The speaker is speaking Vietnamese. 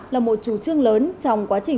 là một chủ trương lớn trong quá trình